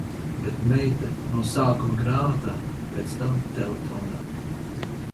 Bet meita – no sākuma grāmatā, pēc tam telefonā...